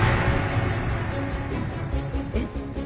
えっ？